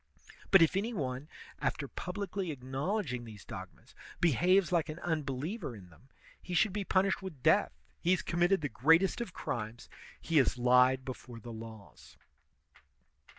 But if any one, after publicly acknowledging these dogmas, behaves like an unbeliever in them, he should be punished with death; he has committed the greatest of crimes, he has lied before the laws.